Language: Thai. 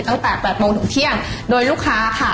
ตั้งแต่๘โมงถึงเที่ยงโดยลูกค้าค่ะ